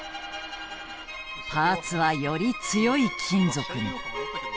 パーツはより強い金属に。